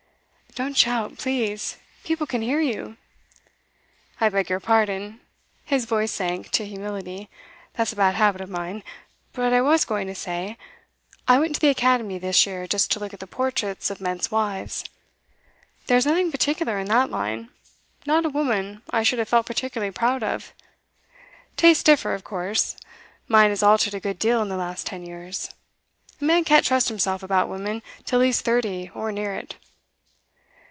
'Don't shout, please. People can hear you.' 'I beg your pardon.' His voice sank to humility. 'That's a bad habit of mine. But I was going to say I went to the Academy this year just to look at the portraits of men's wives. There was nothing particular in that line. Not a woman I should have felt particularly proud of. Tastes differ, of course. Mine has altered a good deal in the last ten years. A man can't trust himself about women till he's thirty or near it.